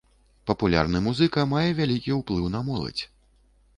Папулярны музыка мае вялікі ўплыў на моладзь.